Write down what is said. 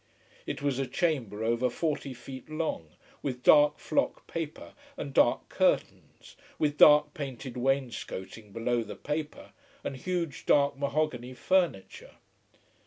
It was a chamber over forty feet long, with dark flock paper and dark curtains, with dark painted wainscoating below the paper, and huge dark mahogany furniture.